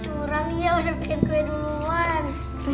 kurang ya udah bikin kue duluan